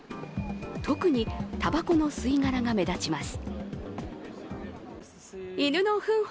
特にたばこの吸い殻が目立ちます。